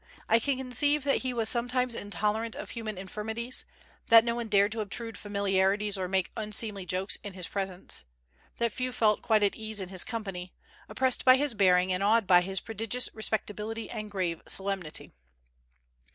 I can conceive that he was sometimes intolerant of human infirmities; that no one dared to obtrude familiarities or make unseemly jokes in his presence; that few felt quite at ease in his company, oppressed by his bearing, and awed by his prodigious respectability and grave solemnity.